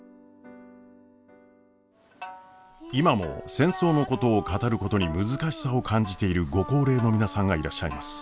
今も戦争のことを語ることに難しさを感じているご高齢の皆さんがいらっしゃいます。